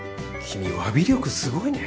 君わび力すごいね。